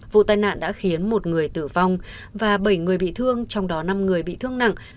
vụ tai nạn đã khiến một người tử vong và bảy người bị thương trong đó năm người bị thương nặng